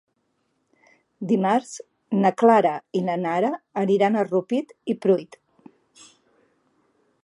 Dimarts na Carla i na Nara aniran a Rupit i Pruit.